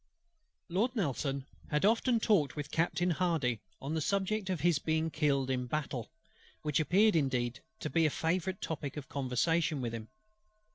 LORD NELSON had often talked with Captain HARDY on the subject of his being killed in battle, which appeared indeed to be a favourite topic of conversation with him.